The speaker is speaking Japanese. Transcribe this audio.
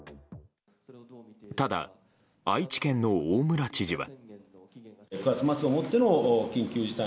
ただ、愛知県の大村知事は。